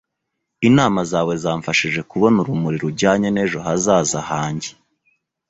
Inama zawe zamfashije kubona urumuri rujyanye n'ejo hazaza hanjye.